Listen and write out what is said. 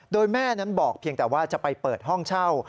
โดยแม่นั้นบอกเพียงแต่ว่าจะไปเปิดห้องเช่า